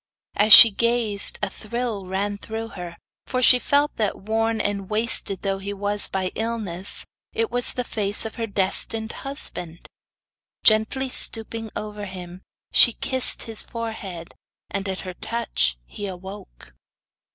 As she gazed a thrill ran through her, for she felt that, worn and wasted though he was by illness, it was the face of her destined husband. Gently stooping over him she kissed his forehead, and at her touch he awoke.